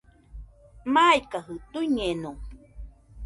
Maikajɨ tuiñeno